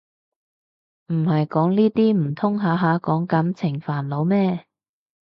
唔係講呢啲唔通下下講感情煩惱咩